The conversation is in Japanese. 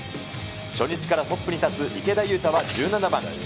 初日からトップに立つ池田勇太は１７番。